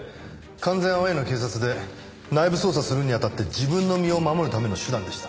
完全アウェーの警察で内部捜査するにあたって自分の身を守るための手段でした。